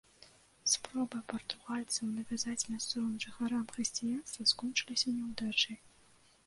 Спробы партугальцаў навязаць мясцовым жыхарам хрысціянства скончыліся няўдачай.